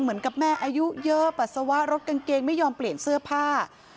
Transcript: เหมือนกับแม่อายุเยอะปัสสาวะรถกางเกงไม่ยอมเปลี่ยนเสื้อผ้า